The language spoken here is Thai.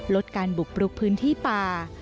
ลดการบุกรุกพื้นที่ป่า